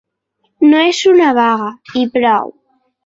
No és una vaga i prou.